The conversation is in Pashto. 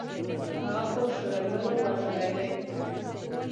هغه خو شورويانو وژلى دى.